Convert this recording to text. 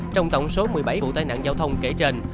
trong tổng số một mươi bảy vụ tai nạn giao thông kể trên